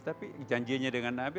tapi janjinya dengan nabi